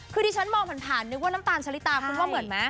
คือที่ฉันมองผ่านนึกว่าน้ำตาลชะลิตาคุณว่าเหมือนไหม